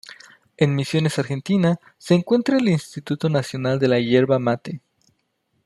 En Misiones Argentina se encuentra el Instituto Nacional de la Yerba Mate.